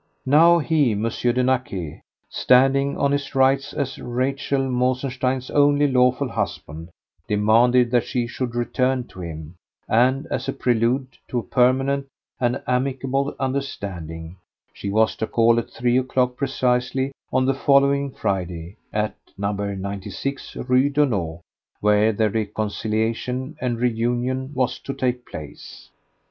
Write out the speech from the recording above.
Now he, M. de Naquet, standing on his rights as Rachel Mosenstein's only lawful husband, demanded that she should return to him, and as a prelude to a permanent and amicable understanding, she was to call at three o'clock precisely on the following Friday at No. 96 Rue Daunou, where their reconciliation and reunion was to take place.